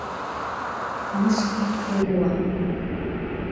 Мыцхә ибылуа.